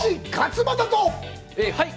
はい！